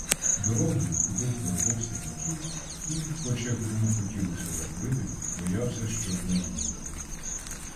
Дорогою купив коробок сірників і, хоч як йому хотілось закурити, боявся, щоб не знудило.